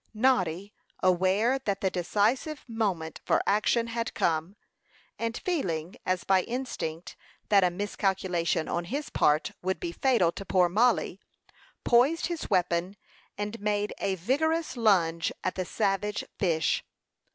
Noddy, aware that the decisive moment for action had come, and feeling, as by instinct, that a miscalculation on his part would be fatal to poor Mollie, poised his weapon, and made a vigorous lunge at the savage fish.